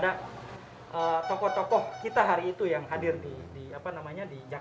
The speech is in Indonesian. dan soekarno dengan gegap gempita menyambut dalam pidatonya yang berapi api dan itu disambut oleh perwakilan perwakilan jepang